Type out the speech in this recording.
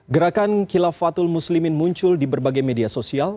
gerakan kilafatul muslimin muncul di berbagai media sosial